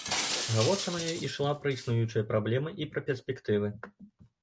Гаворка на ёй ішла пра існуючыя праблемы і пра перспектывы.